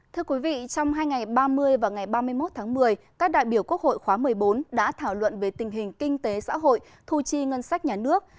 thưa quý vị trong hai ngày ba mươi và ngày ba mươi một tháng một mươi các đại biểu quốc hội khóa một mươi bốn đã thảo luận về tình hình kinh tế xã hội thu chi ngân sách nhà nước